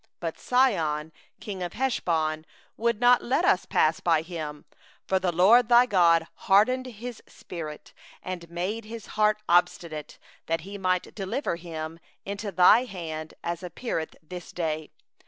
30But Sihon king of Heshbon would not let us pass by him; for the LORD thy God hardened his spirit, and made his heart obstinate, that He might deliver him into thy hand, as appeareth this day.